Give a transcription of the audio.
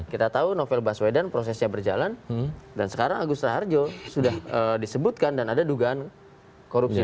kita tahu novel baswedan prosesnya berjalan dan sekarang agus raharjo sudah disebutkan dan ada dugaan korupsi